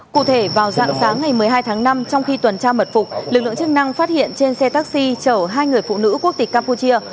cụ thể vào dạng sáng ngày một mươi hai tháng năm trong khi tuần tra mật phục lực lượng chức năng phát hiện trên xe taxi chở hai người phụ nữ quốc tịch campuchia